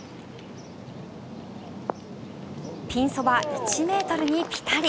ピンそば１ｍにピタリ。